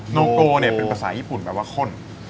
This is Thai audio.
โนโกเป็นภาษาญี่ปุ่นแปลว่าข้น